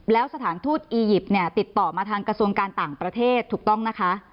แล้วสถานทูตอียิปต์เนี่ยติดต่อมาทางกระทรวงการต่างประเทศถูกต้องนะคะ